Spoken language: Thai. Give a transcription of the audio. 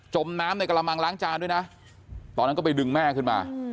มน้ำในกระมังล้างจานด้วยนะตอนนั้นก็ไปดึงแม่ขึ้นมา